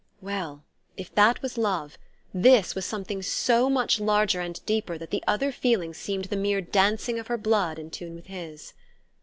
Well, if that was love, this was something so much larger and deeper that the other feeling seemed the mere dancing of her blood in tune with his....